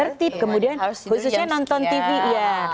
tertip kemudian khususnya nonton tv ya